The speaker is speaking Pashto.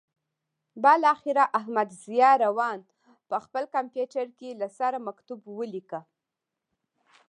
بالاخره احمدضیاء روان په خپل کمپیوټر کې له سره مکتوب ولیکه.